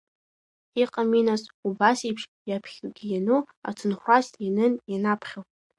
Иҟами, нас, убасеиԥш иаԥхьогьы иану ацынхәрас ианым ианаԥхьо.